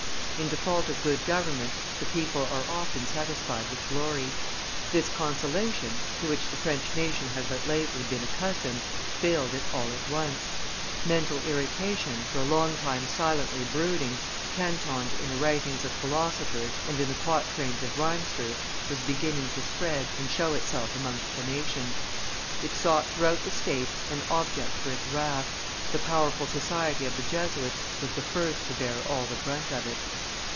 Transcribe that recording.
In default of good government the people are often satisfied with glory. This consolation, to which the French nation had but lately been accustomed, failed it all at once; mental irritation, for a long time silently brooding, cantoned in the writings of philosophers and in the quatrains of rhymesters, was beginning to spread and show itself amongst the nation; it sought throughout the state an object for its wrath; the powerful society of the Jesuits was the first to bear all the brunt of it.